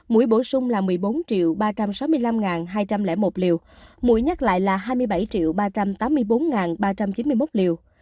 mũi bổ sung là một mươi bốn ba trăm sáu mươi năm hai trăm linh một liều mũi nhắc lại là hai mươi bảy ba trăm tám mươi bốn ba trăm chín mươi một liều